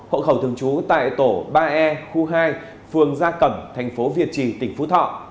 hộ khẩu thường trú tại tổ ba e khu hai phường gia cẩm thành phố việt trì tỉnh phú thọ